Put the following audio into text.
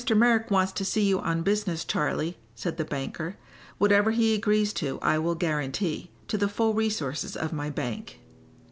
Merrick wants to see you on business, Charley," said the banker. "Whatever he agrees to I will guarantee, to the full resources of my bank."